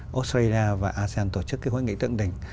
australia và asean tổ chức cái huyết nghị tượng đỉnh